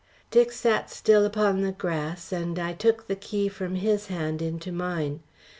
Dick sat still upon the grass, and I took the key from his hand into mine.